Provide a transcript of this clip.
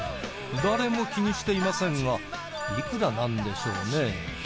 誰も気にしていませんがいくらなんでしょうね？